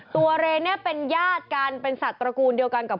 เรนเนี่ยเป็นญาติกันเป็นสัตว์ตระกูลเดียวกันกับ